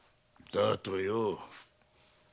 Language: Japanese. だとよ。